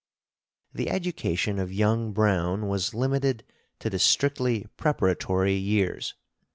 The education of young Browne was limited to the strictly preparatory years.